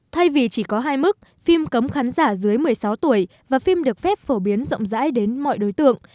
thay vì chỉ có hai mức phim cấm khán giả dưới một mươi sáu tuổi và phim được phép phổ biến rộng rãi đến mọi đối tượng